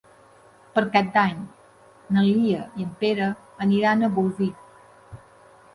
Per Cap d'Any na Lia i en Pere aniran a Bolvir.